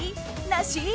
なし？